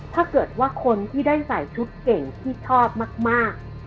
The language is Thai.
ถ้าเกิดว่าคนที่ได้ใส่ชุดเก่งที่ชอบมาก